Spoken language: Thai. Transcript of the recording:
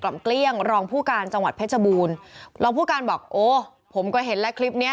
เกลี้ยงรองผู้การจังหวัดเพชรบูรณ์รองผู้การบอกโอ้ผมก็เห็นแล้วคลิปเนี้ย